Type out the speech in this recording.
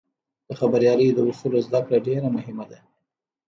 د خبریالۍ د اصولو زدهکړه ډېره مهمه ده.